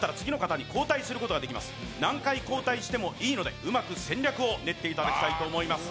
何回交代してもいいのでうまく戦略を練っていただきたいと思います。